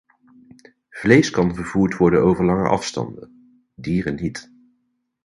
Vlees kan vervoerd worden over lange afstanden, dieren niet.